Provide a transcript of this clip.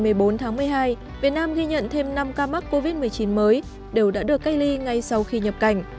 tính đến một mươi tám h ngày một mươi bốn tháng một mươi hai việt nam ghi nhận thêm năm ca mắc covid một mươi chín mới đều đã được cách ly ngay sau khi nhập cảnh